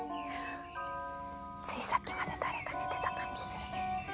ついさっきまで誰か寝てた感じする。